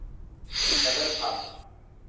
แต่ เลิกทำ